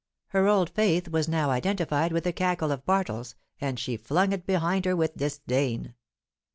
Her old faith was now identified with the cackle of Bartles, and she flung it behind her with disdain.